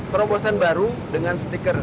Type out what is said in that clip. perombosan baru dengan stiker